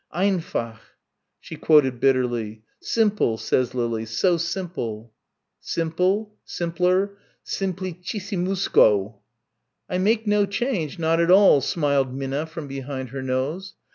"Einfach," she quoted bitterly, "Simple says Lily, so simple!" "Simple simpler simplicissimusko!" "I make no change, not at all," smiled Minna from behind her nose.